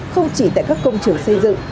không chỉ tại các công trường xây dựng